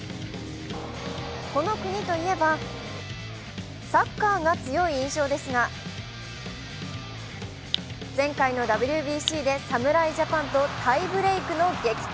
この国といえば、サッカーが強い印象ですが、前回のＷＢＣで侍ジャパンとタイブレークの激闘。